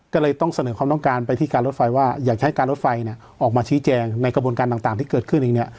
ก็เลยต้องเสนอความต้องการไปที่การรถไฟว่าอยากใช้การรถไฟเนี่ยออกมาชี้แจงในกระบวนการต่างที่เกิดขึ้นเองเนี่ย